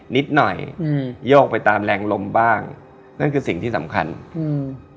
นิดหน่อยอืมโยกไปตามแรงลมบ้างนั่นคือสิ่งที่สำคัญอืม